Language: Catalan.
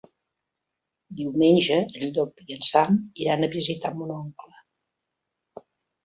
Diumenge en Llop i en Sam iran a visitar mon oncle.